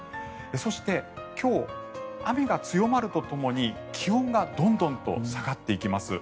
そして今日、雨が強まるとともに気温がどんどんと下がっていきます。